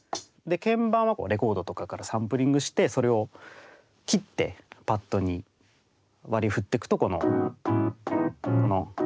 鍵盤はレコードとかからサンプリングしてそれを切ってパッドに割りふってくとこの。